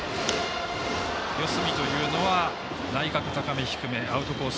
四隅というのは内角高め、低めアウトコース